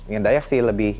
yang dayak sih lebih